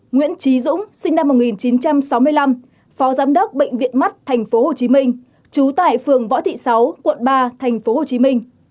nguyễn trí dũng sinh năm một nghìn chín trăm sáu mươi năm phó giám đốc bệnh viện mắt tp hcm trú tại phường võ thị sáu quận ba tp hcm